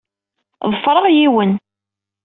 Ḍefreɣ yiwen.